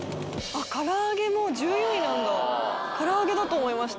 唐揚げも１４位なんだ唐揚げだと思いました。